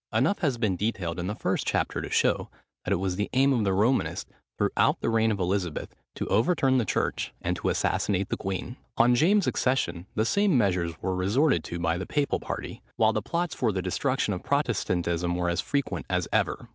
Enough has been detailed in the first chapter to show, that it was the aim of the Romanists, throughout the reign of Elizabeth, to overturn the church, and to assassinate the queen. On James's accession the same measures were resorted to by the papal party, while the plots for the destruction of Protestantism were as frequent as ever.